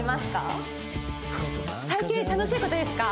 最近楽しいことですか